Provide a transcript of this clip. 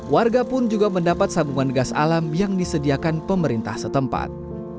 warga pun juga mendapat sambungan gas alam yang disediakan pemerintah setempat